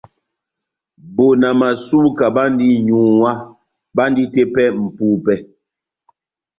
Bona Masuka bandi n’nyuwá, bandi tepɛ mʼpupɛ.